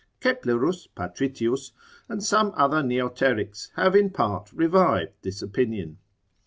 Keplerus, Patritius, and some other Neoterics, have in part revived this opinion.